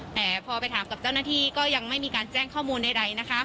แต่พอไปถามกับเจ้าหน้าที่ก็ยังไม่มีการแจ้งข้อมูลใดนะคะ